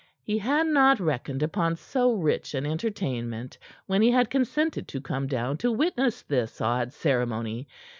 He had not reckoned upon so rich an entertainment when he had consented to come down to witness this odd ceremony.